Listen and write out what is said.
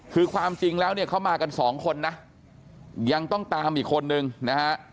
คือความจริงแล้วเนี่ยเขามากันสองคนนะยังต้องตามอีกคนนึงนะฮะ